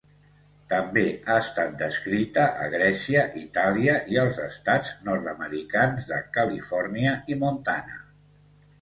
També ha estat descrita a Grècia, Itàlia i als estats nord-americans de Califòrnia i Montana.